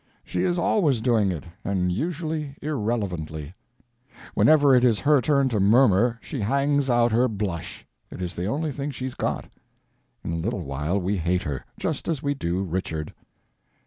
She is always doing it, and usually irrelevantly. Whenever it is her turn to murmur she hangs out her blush; it is the only thing she's got. In a little while we hate her, just as we do Richard.)